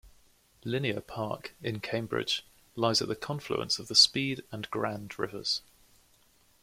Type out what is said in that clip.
Linear Park, in Cambridge, lies at the confluence of the Speed and Grand rivers.